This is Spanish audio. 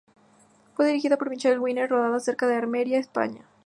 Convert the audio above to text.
Fue dirigida por Michael Winner, rodada cerca de Almería, España.